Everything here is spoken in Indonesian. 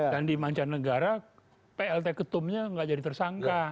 dan di mancanegara plt ketumnya enggak jadi tersangka